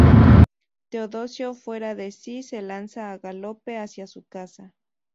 Teodosio, fuera de sí, se lanza a galope hacia su casa.